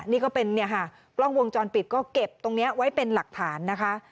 นี่ก็เป็นเนี่ยค่ะกล้องวงจรปิดก็เก็บตรงนี้ไว้เป็นหลักฐานนะคะ